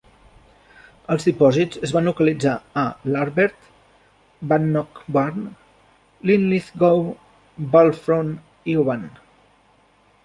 Els dipòsits es van localitzar a Larbert, Bannockburn, Linlithgow, Balfron i Oban.